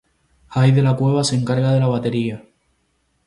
Jay de la Cueva se encarga de la batería.